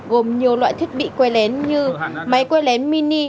gồm nhiều loại thiết bị quay lén như máy quay lén mini